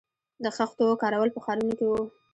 د خښتو کارول په ښارونو کې وو